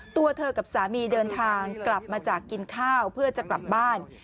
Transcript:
ตัวเธอกับสามีเดินทางกลับมาจากกินข้าวเพื่อจะกลับบ้าน